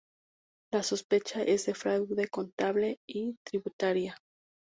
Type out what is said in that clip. La sospecha es de fraude contable y tributaria.